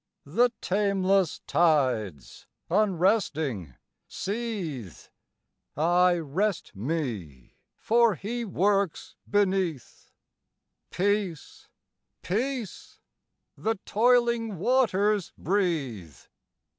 V. The tameless tides, unresting, seethe; I rest me, for He works beneath; Peace! peace! the toiling waters breathe.